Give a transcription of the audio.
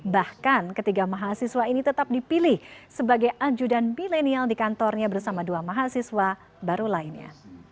bahkan ketiga mahasiswa ini tetap dipilih sebagai ajudan milenial di kantornya bersama dua mahasiswa baru lainnya